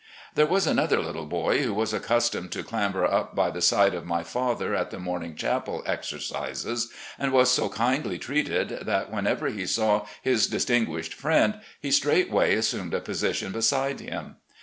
There was another little boy who was accustomed to clamber up by the side of my father at the morning chapel exercises, and was so kindly treated that, when ever he saw his distinguished friend, he straightway assximed a position beside him.